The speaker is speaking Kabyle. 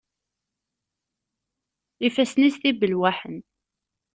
Ifassen-is d ibelwaḥen.